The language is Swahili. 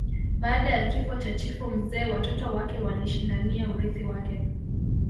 Baada ya kifo cha chifu mzee watoto wake walishindania urithi wake